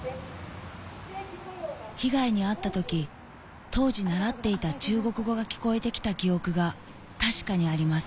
被害に遭った時当時習っていた中国語が聞こえて来た記憶が確かにあります